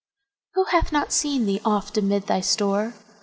Who hath not seen thee oft amid thy store?